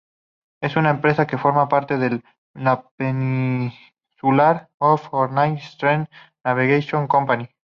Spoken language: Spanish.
Es una empresa que forma parte de la Peninsular and Oriental Steam Navigation Company.